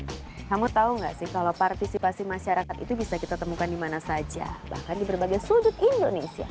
dan kamu tahu gak sih kalau partisipasi masyarakat itu bisa kita temukan di mana saja bahkan di berbagai sudut indonesia